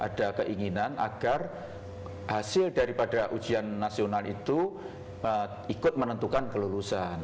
ada keinginan agar hasil daripada ujian nasional itu ikut menentukan kelulusan